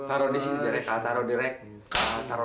taro disini direkal taro direkal